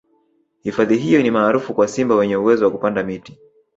hifadhi hiyo ni maarufu kwa simba wenye uwezo wa kupanda miti